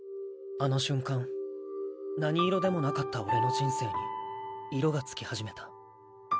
あの瞬間何色でもなかった俺の人生に色がつきはじめた。